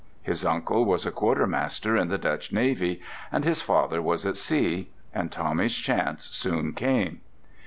His uncle was a quartermaster in the Dutch navy, and his father was at sea; and Tommy's chance soon came.